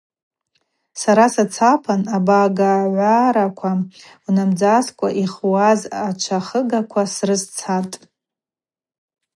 Сара сацапан Абагагӏвараква унамдзаскӏва йхуаз ачвахыгаква срызцатӏ.